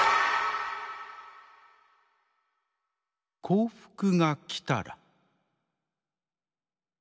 「『幸福』がきたら」。